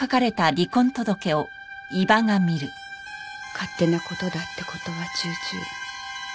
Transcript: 勝手な事だって事は重々。